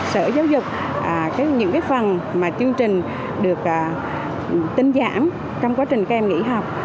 sở giáo dục những phần mà chương trình được tinh giảm trong quá trình các em nghỉ học